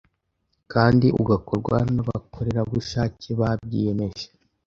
kandi ugakorwa n’abakorerabushake babyiyemeje.